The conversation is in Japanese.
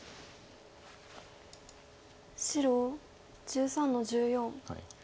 白１３の十四。